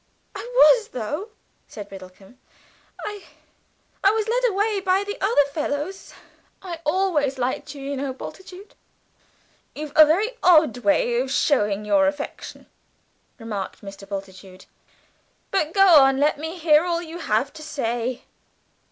"I was, though," said Biddlecomb. "I, I was led away by the other fellows I always liked you, you know, Bultitude." "You've a very odd way of showing your affection," remarked Mr. Bultitude; "but go on, let me hear all you have to say."